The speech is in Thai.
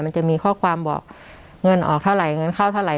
มันจะมีข้อความบอกเงินออกเท่าไหร่เงินเข้าเท่าไห